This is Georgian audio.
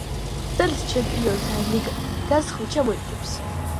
წელს ჩემპიონთა ლიგას ხვიჩა მოიგებს